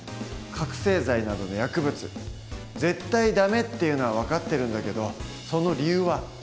覚醒剤などの薬物「絶対ダメ」っていうのは分かってるんだけどその理由は？